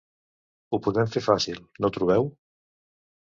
Ho podem fer fàcil, no trobeu?